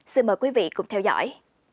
xin mời quý vị cùng theo dõi